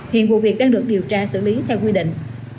hiện vụ việc đang được điều tra xử lý theo quy định